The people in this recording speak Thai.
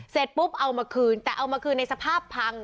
เสร็จปุ๊บเอามาคืนแต่เอามาคืนในสภาพพัง